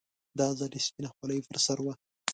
دا ځل يې سپينه خولۍ پر سر وه.